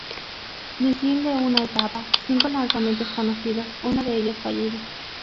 Misil de una etapa, cinco lanzamientos conocidos, uno de ellos fallido.